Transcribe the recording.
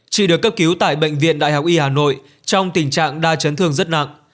chị được cấp cứu tại bệnh viện đại học y hà nội trong tình trạng đa chấn thương rất nặng